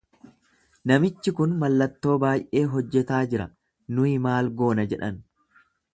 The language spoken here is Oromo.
Namichi kun mallattoo baay'ee hojjetaa jira, nuyi maal goona? jedhan.